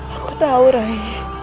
aku tahu rai